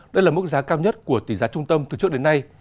đây là mức giá cao nhất của tỷ giá trung tâm từ trước đến nay